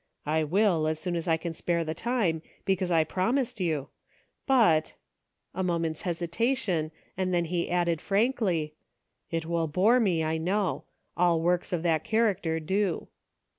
" I will, as soon as I can spare the time, because I promised you ; but," — a moment's hesitation, and then he added frankly, —" it will bore me, I know ; all works of that character do."